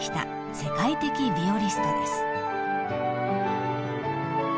世界的ビオリストです］